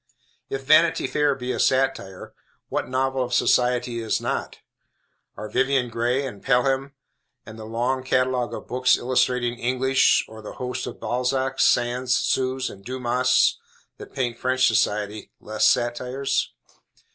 If Vanity Fair be a satire, what novel of society is not? Are Vivian Grey, and Pelham, and the long catalogue of books illustrating English, or the host of Balzacs, Sands, Sues, and Dumas, that paint French society, less satires?